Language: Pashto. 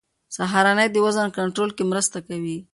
سهارنۍ د وزن کنټرول کې مرسته کوي.